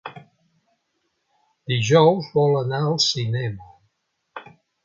Dijous vol anar al cinema.